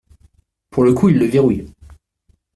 Pour le coup il le verrouille.